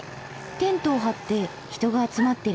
テントを張って人が集まってる。